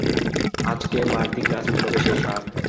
আজকে মার্দি গ্রাস উৎসবের শেষ রাত!